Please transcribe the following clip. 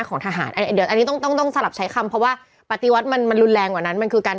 ก็เนี่ยแหละเขาบอกว่าคนที่ทำคือใคร